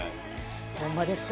ほんまですか？